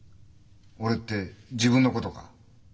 「俺」って自分のことか？